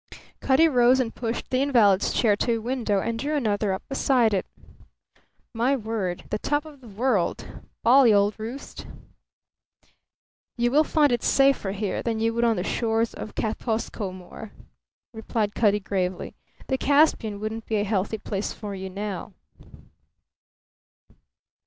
Cutty rose and pushed the invalid's chair to a window and drew another up beside it. "My word, the top of the world! Bally odd roost." "You will find it safer here than you would on the shores of Kaspuskoi More," replied Cutty, gravely. "The Caspian wouldn't be a healthy place for you now."